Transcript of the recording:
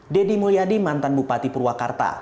deddy mulyadi mantan bupati purwakarta